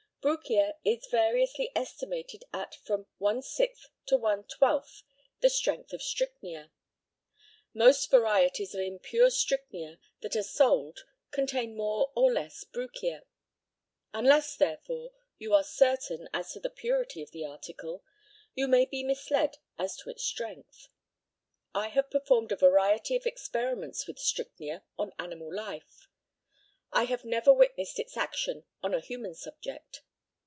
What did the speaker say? Brucia is variously estimated at from one sixth to one twelfth the strength of strychnia. Most varieties of impure strychnia that are sold contain more or less brucia. Unless, therefore, you are certain as to the purity of the article, you may be misled as to its strength. I have performed a variety of experiments with strychnia on animal life. I have never witnessed its action on a human subject.